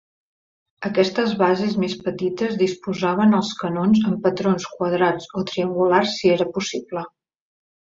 Aquestes bases més petites disposaven els canons en patrons quadrats o triangulars si era possible.